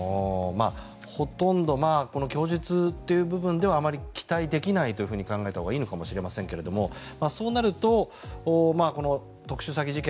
ほとんど供述という部分ではあまり期待できないと考えたほうがいいのかもしれませんがそうなると特殊詐欺事件